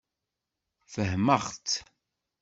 Fehmeɣ-tt.